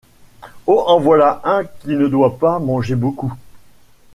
Oh ! en voilà un qui ne doit pas manger beaucoup …